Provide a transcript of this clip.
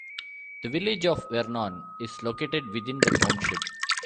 The village of Vernon is located within the township.